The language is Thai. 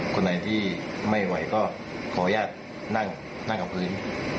คนไหนที่ไม่ไหวก็ขออนุญาตนั่งกับพื้น